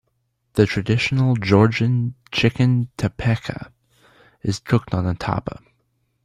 The traditional Georgian chicken tapaka is cooked on a tapa.